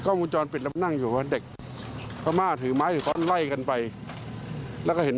คือพม่ามันตีกันครับปกติมันตีกันบ่อยไหม